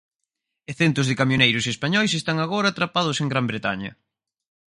E centos de camioneiros españois están atrapados agora mesmo en Gran Bretaña.